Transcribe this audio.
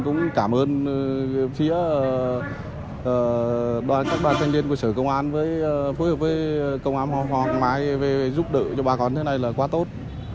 cũng cảm ơn phía các đoàn thanh niên của sở công an với phối hợp với công an hoàng mai về giúp đỡ cho bà con thế này là quá tốt